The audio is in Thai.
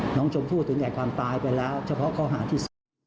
หน้าชมพูดจากความตายไปแล้วเฉพาะข้อหาที่๑๐